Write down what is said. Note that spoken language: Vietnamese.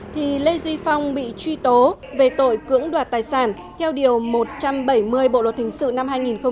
thì lê duy phong bị truy tố về tội cưỡng đoạt tài sản theo điều một trăm bảy mươi bộ luật hình sự năm hai nghìn một mươi năm